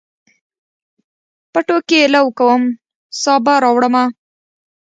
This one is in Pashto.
پټو کې لو کوم، سابه راوړمه